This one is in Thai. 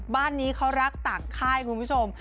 บ้านนี้เขารักต่างค่ายคุณผู้ชม